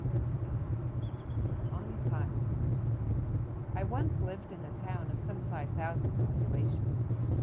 "_ ON TIME I once lived in a town of some five thousand population.